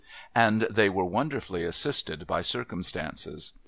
And they were wonderfully assisted by circumstances.